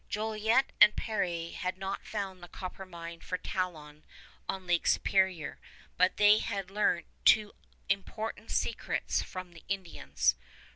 Jolliet and Peré had not found the copper mine for Talon on Lake Superior, but they had learned two important secrets from the Indians.